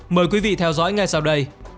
mời quý vị theo dõi ngay sau đây